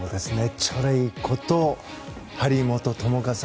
チョレイこと張本智和さん